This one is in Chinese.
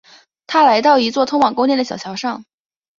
他来到一座通往宫殿的小桥上。